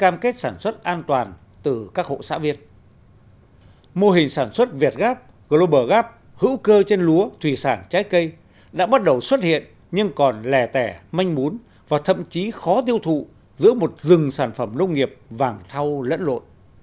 mô hình sản xuất việt gap global gap hữu cơ trên lúa thủy sản trái cây đã bắt đầu xuất hiện nhưng còn lẻ tẻ manh mún và thậm chí khó tiêu thụ giữa một rừng sản phẩm nông nghiệp vàng thau lẫn lộn